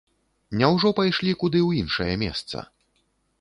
Няўжо пайшлі куды ў іншае месца?